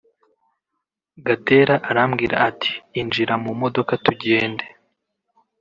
Gatera arambwira ati injira mu modoka tujyende